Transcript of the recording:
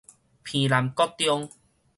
澎南國中